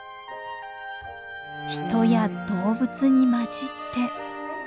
人や動物に交じって。